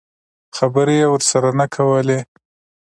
خبرې یې ورسره نه کولې.